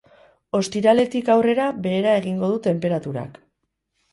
Ostiraletik aurrera, behera egingo du tenperaturak.